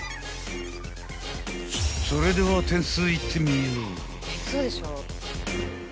［それでは点数いってみよう］